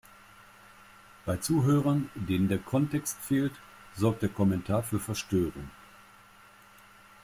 Bei Zuhörern, denen der Kontext fehlt, sorgt der Kommentar für Verstörung.